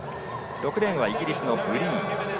６レーンはイギリスのブリーン。